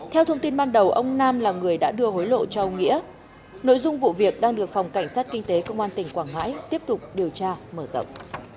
theo thông tin ban đầu ông nam là người đã đưa hối lộ cho ông nghĩa nội dung vụ việc đang được phòng cảnh sát kinh tế công an tỉnh quảng ngãi tiếp tục điều tra mở rộng